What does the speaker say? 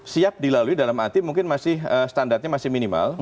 siap dilalui dalam arti mungkin masih standarnya masih minimal